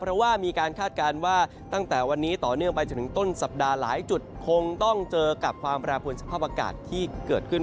เพราะว่ามีการคาดการณ์ว่าตั้งแต่วันนี้ต่อเนื่องไปจนถึงต้นสัปดาห์หลายจุดคงต้องเจอกับความแปรผลสภาพอากาศที่เกิดขึ้น